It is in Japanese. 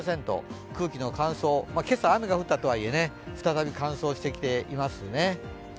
空気の乾燥、今朝雨が降ったとはいえ、再び乾燥してきていますね。